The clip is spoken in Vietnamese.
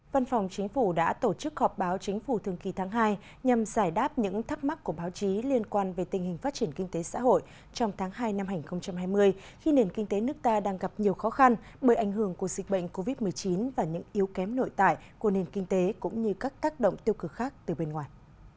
văn phòng chính phủ đã tổ chức họp báo chính phủ thường kỳ tháng hai nhằm giải đáp những thắc mắc của báo chí liên quan về tình hình phát triển kinh tế xã hội trong tháng hai năm hai nghìn hai mươi khi nền kinh tế nước ta đang gặp nhiều khó khăn bởi ảnh hưởng của dịch bệnh covid một mươi chín và những yếu kém nội tại của nền kinh tế cũng như các tác động tiêu cực khác từ bên ngoài